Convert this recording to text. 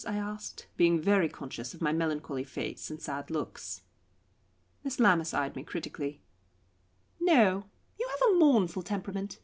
I asked, being very conscious of my melancholy face and sad looks. Miss Lammas eyed me critically. "No; you have a mournful temperament.